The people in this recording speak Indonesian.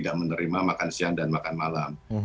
hanya menerima makanan siang dan makan malam